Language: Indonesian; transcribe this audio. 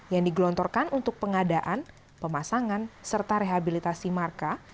yang digelontorkan untuk pengadaan pemasangan serta rehabilitasi marka